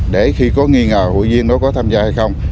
để khi có nghi ngờ hụi viên nó có tham gia hay không